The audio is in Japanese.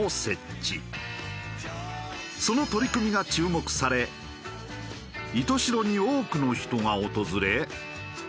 その取り組みが注目され石徹白に多くの人が訪れ。